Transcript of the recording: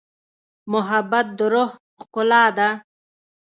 محبت د روح ښکلا ده.